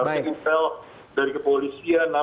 harusnya intel dari kepolisian